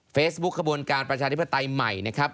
เฟซบุ๊คขบวนการประชาธิปไตยใหม่นะครับ